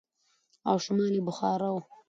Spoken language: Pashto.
او شمال يې بخارا و.